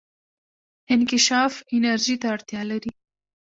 انکشاف انرژي ته اړتیا لري.